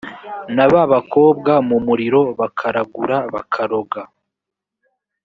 n ab abakobwa mu muriro bakaragura bakaroga